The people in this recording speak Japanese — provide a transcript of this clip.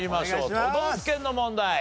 都道府県の問題。